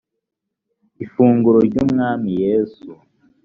ifunguro ry umwami yesu